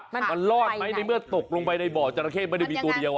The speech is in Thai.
มันรอดไหมในเมื่อตกลงไปในบ่อจราเข้ไม่ได้มีตัวเดียว